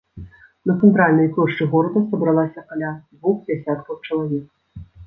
На цэнтральнай плошчы горада сабралася каля двух дзесяткаў чалавек.